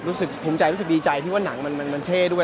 รู้สึกภูมิใจรู้สึกดีใจที่ว่าหนังมันเท่ด้วย